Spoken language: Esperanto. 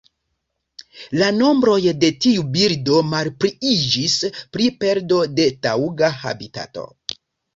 La nombroj de tiu birdo malpliiĝis pro perdo de taŭga habitato.